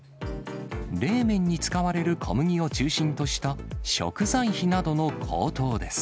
冷麺に使われる小麦を中心とした食材費などの高騰です。